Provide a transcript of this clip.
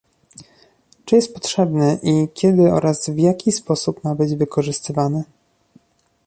czy jest potrzebny i kiedy oraz w jaki sposób ma być wykorzystywany